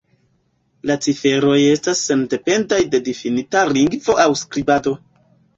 La ciferoj estas sendependaj de difinita lingvo aŭ skribado.